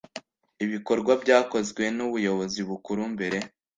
ibikorwa byakozwe n ubuyobozi bukuru mbere